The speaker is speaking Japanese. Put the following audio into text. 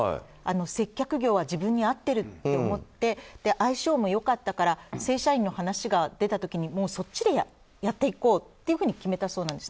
接客業は自分に合ってると思って相性も良かったから正社員の話が出たときにそっちでやっていこうっていうふうに決めたそうなんです。